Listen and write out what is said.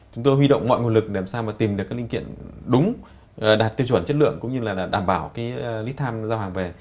chúng tôi huy động mọi nguồn lực để làm sao mà tìm được các linh kiện đúng đạt tiêu chuẩn chất lượng cũng như là đảm bảo cái lít tham giao hàng về